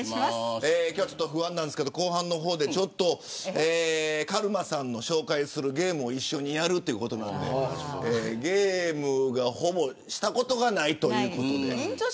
今日は、ちょっと不安ですが後半でカルマさんの紹介するゲームを一緒にやるということでゲームはほぼしたことがないということで。